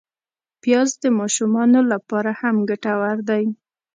پیاز د ماشومانو له پاره هم ګټور دی